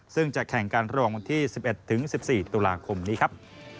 ซึ่งจะแข่งการรองที่๑๑๑๔ตุลาคมนี้ครับ